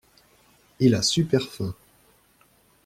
Il a super faim.